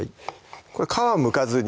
これ皮むかずに？